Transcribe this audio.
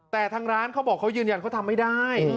แต่ทางร้านเขาบอกเขายืนยันเขาทำไม่ได้